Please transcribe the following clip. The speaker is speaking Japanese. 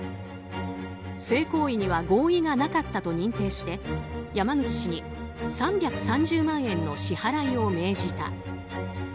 性行為には合意がなかったと認定して山口氏に３３０万円の支払いを命じた。